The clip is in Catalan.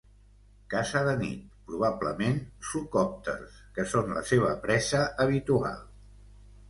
Caça de nit, probablement psocòpters que són la seva presa habitual.